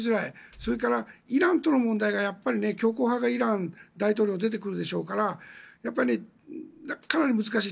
それからイランとの問題がやっぱり強硬派がイラン大統領出てくるでしょうからかなり難しい。